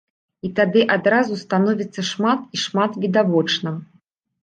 І тады адразу становіцца шмат і шмат відавочна.